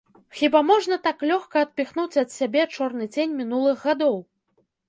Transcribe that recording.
Хіба можна так лёгка адпіхнуць ад сябе чорны цень мінулых гадоў?